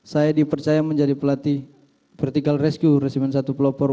saya dipercaya menjadi pelatih vertical rescue resimen satu pelopor